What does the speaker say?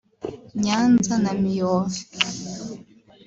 Nyanza na Miyove